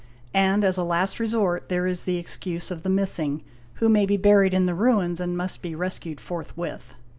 and as a last resort there is.the excuse of the missing, who may be buried in the ruins and must be rescued forth with.